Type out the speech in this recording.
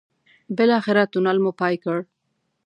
بالاخره تونل مو پای کړ.